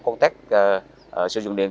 công tác sử dụng điện